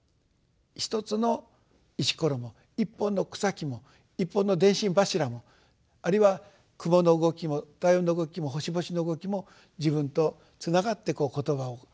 一つの石ころも一本の草木も一本の電信柱もあるいは雲の動きも太陽の動きも星々の動きも自分とつながって言葉を変えていく。